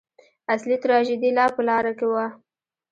اصلي تراژیدي لا په لاره کې وه.